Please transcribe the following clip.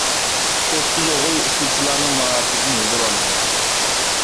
ئوتتۇز ئوغۇل ئۇسسۇلچىلارنىڭ ماھارىتىدىن ھۇزۇر ئالىدۇ.